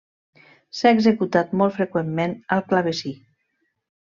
S'ha executat molt freqüentment al clavecí.